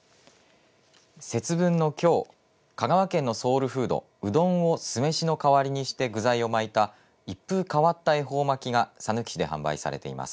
節分のきょう香川県のソウルフードうどんを酢飯の代わりにして具材を巻いた一風変わった恵方巻きがさぬき市で販売されています。